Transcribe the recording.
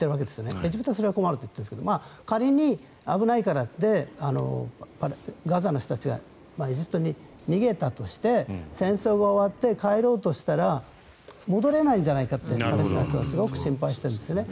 エジプトはそれは困ると言っているんですが仮に、危ないからってガザの人たちがエジプトに逃げたとして戦争が終わって帰ろうとしたら戻れないんじゃないかということをすごく心配しているんですね。